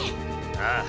ああ。